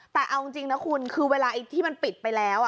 แต่เอาจริงนะคุณคือเวลาที่มันปิดไปแล้ว